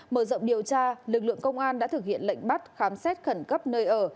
mở rộng điều tra lực lượng công an đã thực hiện lệnh bắt khám xét khẩn cấp nơi ở